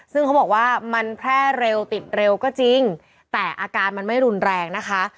ซึ่งเขาบอกว่ามันแพร่เร็วติดเร็วก็จริงแต่อาการมันไม่รุนแรงนะคะ